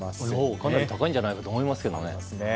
かなり高いんじゃないかと思いますけどね。